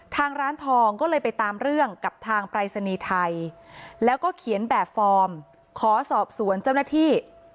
ทางร้านทองก็เลยไปตามเรื่องกับทางปรายศนีย์ไทยแล้วก็เขียนแบบฟอร์มขอสอบสวนเจ้าหน้าที่